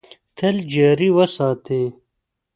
تل جاري وساتي .